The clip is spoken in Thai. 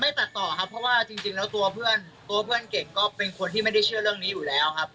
ตัดต่อครับเพราะว่าจริงแล้วตัวเพื่อนตัวเพื่อนเก่งก็เป็นคนที่ไม่ได้เชื่อเรื่องนี้อยู่แล้วครับ